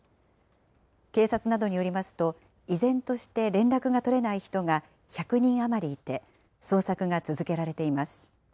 警察などによりますと、依然として、連絡が取れない人が１００人余りいて、捜索が続けられています。